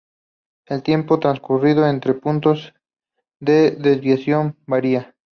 El tiempo transcurrido entre puntos de decisión varía.